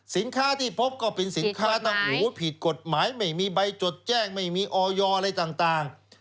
สินค้าที่พบก็เป็นสินค้าทั้งผิดกฎหมายไม่มีใบจดแจ้งไม่มีออยอะไรต่าง